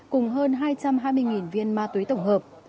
cùng hơn hai trăm hai mươi viên ma túy tổng hợp